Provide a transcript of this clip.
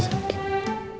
kebohong apa sih